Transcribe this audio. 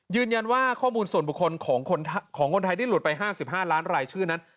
ยืนยันว่าข้อมูลส่วนบุคคลของคนไทยที่หลุดไป๕๕ล้านรายชื่อนั้น